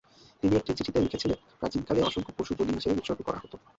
তিনি একটি চিঠিতে লিখেছিলেন: প্রাচীনকালে অসংখ্য পশু বলি হিসেবে উৎসর্গ করা হতো।